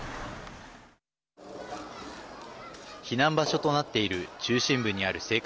避難場所となっている中心部にある青果